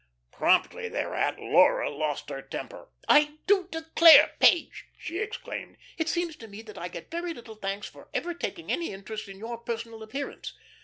Promptly thereat Laura lost her temper. "I do declare, Page," she exclaimed, "it seems to me that I get very little thanks for ever taking any interest in your personal appearance.